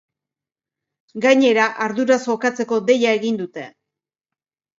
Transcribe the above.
Gainera, arduraz jokatzeko deia egin dute.